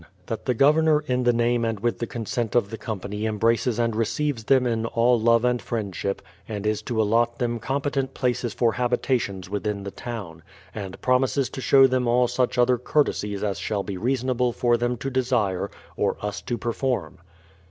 That the Governor in the name and with the consent of the company embraces and receives them in all love and friendship ; and is to allot them competent places for habitations within the town ; and promises to show them all such other courtesies as shall be reasonable for them to desii'e, or us to perform.